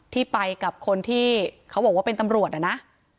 ที่ไปกับคนที่เขาบอกว่าเป็นตำรวจนะ